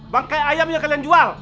bangkai ayam yang kalian jual